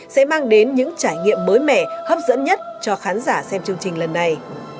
sẽ mang đến những trải nghiệm mới mẻ hấp dẫn nhất cho khán giả xem chương trình lần này